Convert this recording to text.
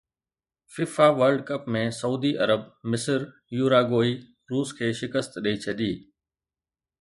FIFA world cup ۾ سعودي عرب مصر، يوراگوئي روس کي شڪست ڏئي ڇڏي